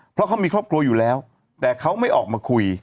เพราะเขามีครอบครัวอยู่แล้วแต่เขาไม่ออกมาคุย